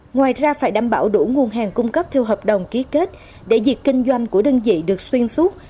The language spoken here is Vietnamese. ngoài ra phải đảm bảo đủ nguồn hàng cung cấp theo hợp đồng ký kết để việc kinh doanh của đơn vị được xuyên suốt